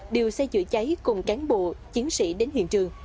đều xây chữa cháy cùng cán bộ chiến sĩ đến hiện trường